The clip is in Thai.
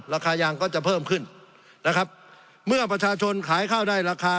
ราคายางก็จะเพิ่มขึ้นนะครับเมื่อประชาชนขายข้าวได้ราคา